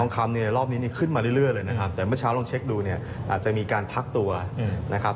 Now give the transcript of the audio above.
คำเนี่ยรอบนี้ขึ้นมาเรื่อยเลยนะครับแต่เมื่อเช้าลองเช็คดูเนี่ยอาจจะมีการพักตัวนะครับ